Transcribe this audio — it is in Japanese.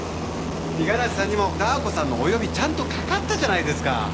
五十嵐さんにもダー子さんのお呼びちゃんとかかったじゃないですか。